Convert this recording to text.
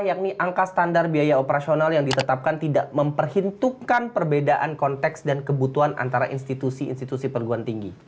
yakni angka standar biaya operasional yang ditetapkan tidak memperhitungkan perbedaan konteks dan kebutuhan antara institusi institusi perguruan tinggi